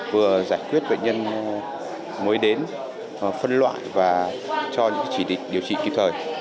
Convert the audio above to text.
vừa giải quyết bệnh nhân mới đến phân loại và cho những điều trị kịp thời